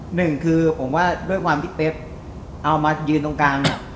หนึ่งคือผมว่าด้วยความที่เป๊บเอามายืนตรงกลาง